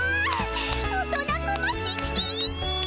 大人小町いい！